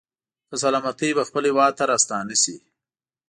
په سلامتۍ به خپل هېواد ته راستانه شي.